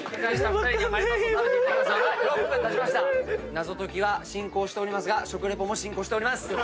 謎解きは進行しておりますが食リポも進行しております。